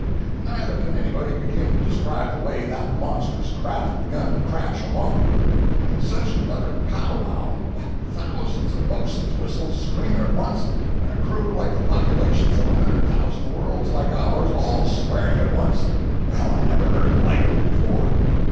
Neither can anybody begin to describe the way that monstrous craft begun to crash along. And such another powwow—thousands of bo's'n's whistles screaming at once, and a crew like the populations of a hundred thousand worlds like ours all swearing at once. Well, I never heard the like of it before.